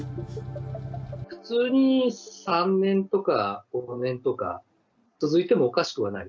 普通に３年とか、５年とか、続いてもおかしくはない。